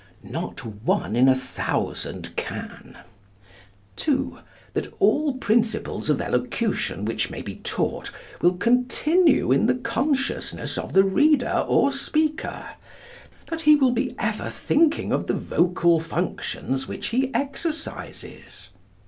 Not one in a thousand can. 2. That all principles of Elocution which may be taught will continue in the consciousness of the reader or speaker that he will be ever thinking of the vocal functions which he exercises.